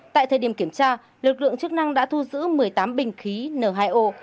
tại thời điểm kiểm tra lực lượng chức năng đã thu giữ một mươi tám bình khí n hai o